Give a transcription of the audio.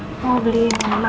masak masak masak